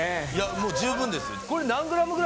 もう十分ですよ